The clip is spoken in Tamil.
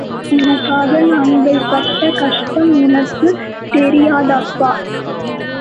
உனக்காக நாங்கள் பட்ட கஷ்டம் உனக்குத் தெரியாதப்பா!...